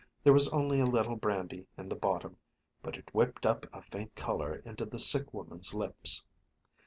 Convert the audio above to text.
There was only a little brandy in the bottom, but it whipped up a faint color into the sick woman's lips.